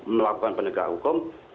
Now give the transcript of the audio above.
melakukan penegak hukum